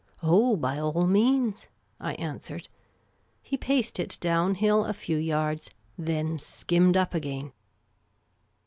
" Oh, by all means," I answered. He paced it down hill a few yards ; then skimmed up again.